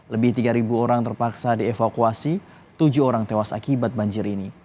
lebih tiga orang terpaksa dievakuasi tujuh orang tewas akibat banjir ini